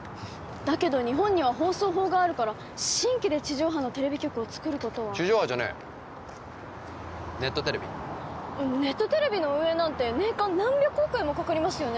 だけど日本には放送法があるから新規で地上波のテレビ局をつくることは地上波じゃねえネットテレビネットテレビの運営なんて年間何百億円もかかりますよね